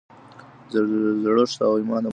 زړښت او ایمان د مذهب پرمختګ ته مرسته کوي.